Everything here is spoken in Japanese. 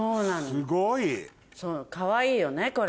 すごい！かわいいよねこれ。